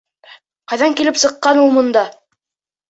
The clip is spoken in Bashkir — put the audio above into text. Ҡайҙан килеп сыҡҡан ул бында?